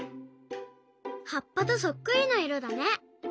はっぱとそっくりないろだね！